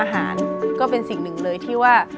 ก็เป็นสิ่งหนึ่งเลยที่ว่า